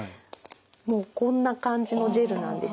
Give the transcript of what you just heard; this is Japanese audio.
もうこんな感じのジェルなんです。